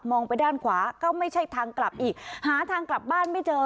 ไปด้านขวาก็ไม่ใช่ทางกลับอีกหาทางกลับบ้านไม่เจอ